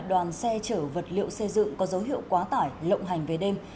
đoàn xe chở vật liệu xây dựng có dấu hiệu quá tải lộng hành về đêm